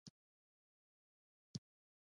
احمد او علي له کلونو راهسې ناسته ولاړه سره کوي.